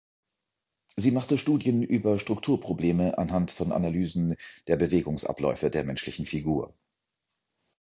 Sie machte Studien über Strukturprobleme anhand von Analysen der Bewegungsabläufe der menschlichen Figur.